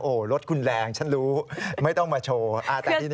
โอ้โหรถคุณแรงฉันรู้ไม่ต้องมาโชว์